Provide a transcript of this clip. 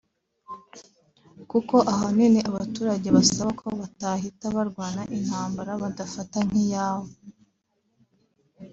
kuko ahanini abaturage basaba ko batahita barwana intambara badafata nk’iyabo